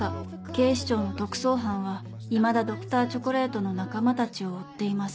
警視庁の特捜班はいまだＤｒ．チョコレートの仲間たちを追っています